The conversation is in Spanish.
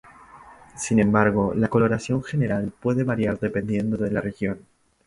Sin embargo, la coloración general puede variar dependiendo de la región.